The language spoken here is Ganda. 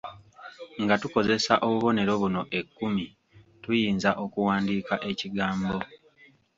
Nga tukozesa obubonero buno ekkumi tuyinza okuwandiika ekigambo.